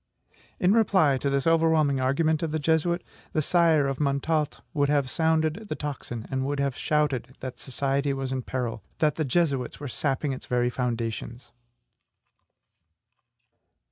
In reply to this overwhelming argument of the Jesuit, the sire of Montalte would have sounded the tocsin, and would have shouted that society was in peril, that the Jesuits were sapping its very foundations.